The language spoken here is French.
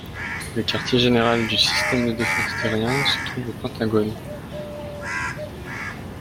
Le quartier général du système de défense terrien se trouve au Pentagone.